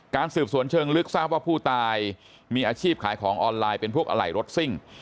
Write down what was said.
สืบสวนเชิงลึกทราบว่าผู้ตายมีอาชีพขายของออนไลน์เป็นพวกอะไหล่รถซิ่ง